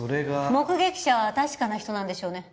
目撃者は確かな人なんでしょうね？